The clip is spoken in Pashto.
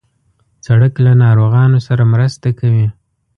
سړک له ناروغانو سره مرسته کوي.